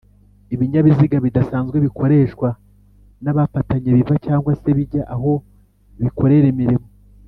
ibinyabiziga bidasanzwe bikoreshwa n’abapatanye biva cg se bijya aho bikorera imirimo